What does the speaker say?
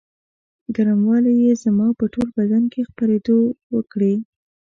ګرموالي یې زما په ټول بدن کې خپرېدو وکړې.